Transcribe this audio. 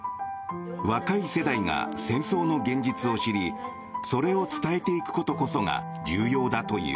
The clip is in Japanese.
若い世代が戦争の現実を知りそれを伝えていくことこそが重要だという。